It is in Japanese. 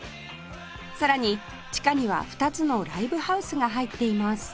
さらに地下には２つのライブハウスが入っています